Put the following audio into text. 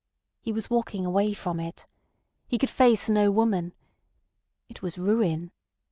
He was walking away from it. He could face no woman. It was ruin.